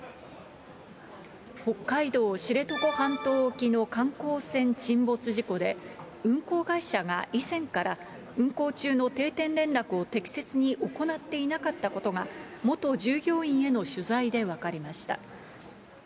北海道知床半島沖の観光船沈没事故で、運航会社が以前から、運航中の定点連絡を適切に行っていなかったことが、元従業員への取材で分かりました。